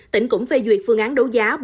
tỉnh cũng phê duyệt phương án đấu giá